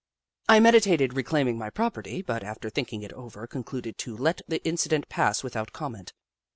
I meditated re claiming my property, but after thinking it over, concluded to let the incident pass without comment.